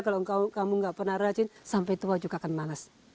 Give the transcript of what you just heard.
kalau kamu nggak pernah rajin sampai tua juga akan malas